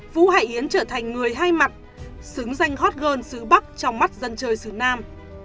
vũ hải yến trở thành người hai mặt xứng danh hot girl sứ bắc trong mắt dân chơi xứ nam